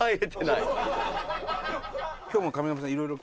今日も上沼さんいろいろ。